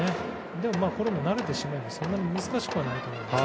でも、これも慣れてしまえばそんなに難しくないと思います。